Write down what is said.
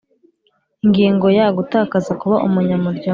Ingingo ya Gutakaza kuba umunyamuryango